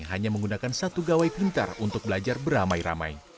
hanya menggunakan satu gawai pintar untuk belajar beramai ramai